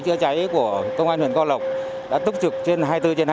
phòng cháy chữa cháy của công an huyện co lộc đã tức trực trên hai mươi bốn trên hai mươi bốn